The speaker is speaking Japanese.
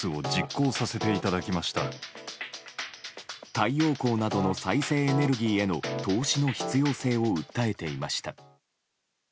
太陽光などの再生エネルギーへの投資の必要性を訴えていました。